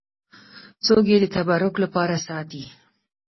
څوک یې د تبرک لپاره ساتي.